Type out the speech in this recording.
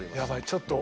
ちょっと。